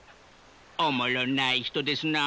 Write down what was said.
おもろない人ですなあ。